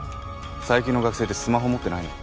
最近の学生ってスマホ持ってないの？